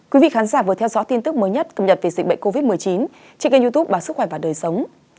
quý vị khán giả vừa theo dõi tin tức mới nhất cập nhật về dịch bệnh covid một mươi chín trên kênh youtube báo sức khỏe và đời sống